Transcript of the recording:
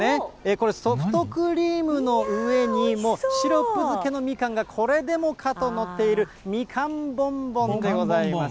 これ、ソフトクリームの上にもうシロップ漬けのみかんがこれでもかと載っている、みかんボンボンでございます。